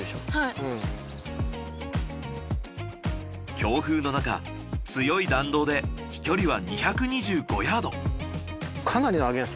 強風のなか強い弾道で飛距離は２２５ヤード。